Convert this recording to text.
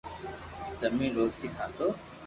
رمئين روٽي کاتو